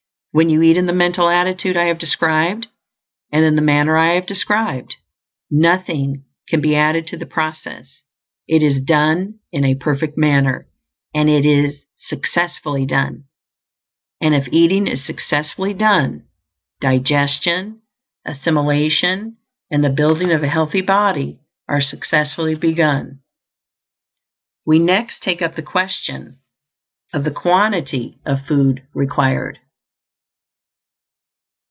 When you eat in the mental attitude I have described, and in the manner I have described, nothing can be added to the process; it is done in a perfect manner, and it is successfully done. And if eating is successfully done, digestion, assimilation, and the building of a healthy body are successfully begun. We next take up the question of the quantity of food required.